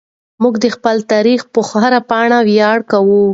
موږ د خپل تاریخ په هره پاڼه ویاړ کوو.